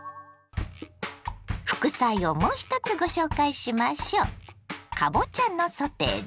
副菜をもう１つご紹介しましょう。